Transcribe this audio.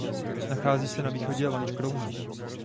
Nachází se na východě Lanškrouna.